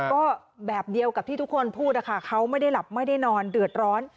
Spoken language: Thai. ก็แบบเดียวกับที่ทุกคนพูดนะคะเขาไม่ได้หลับไม่ได้นอนเดือดร้อน